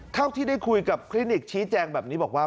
เท่าที่ได้คุยกับคลินิกชี้แจงแบบนี้บอกว่า